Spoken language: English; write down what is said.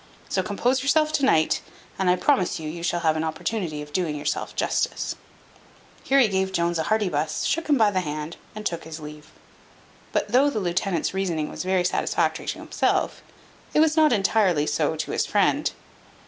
So compose yourself to night, and I promise you you shall have an opportunity of doing yourself justice." Here he gave Jones a hearty buss, shook him by the hand, and took his leave. But though the lieutenant's reasoning was very satisfactory to himself, it was not entirely so to his friend.